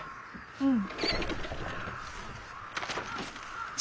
うん。